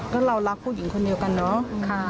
คุณแม่ก็ห่วงเบิร์ดใช่ไหมครับ